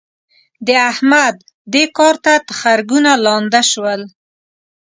د احمد؛ دې کار ته تخرګونه لانده شول.